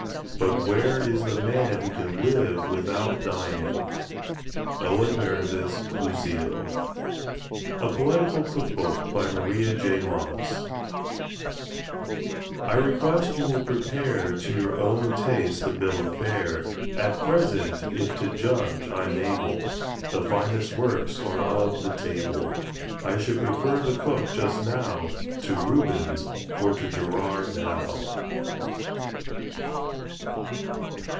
But where is the man who can live without dining? OWEN MEREDITH'S "LUCILE." [Decorative illustration] A POETICAL COOK BOOK. BY [Illustration: Author's initials] "I REQUEST you will prepare To your own taste the bill of fare; At present, if to judge I'm able, The finest works are of the table. I should prefer the cook just now To Rubens or to Gerard Dow."